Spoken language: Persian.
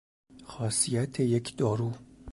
خاصیت یک دارو